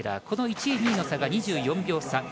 この１位、２位の差が２４秒差。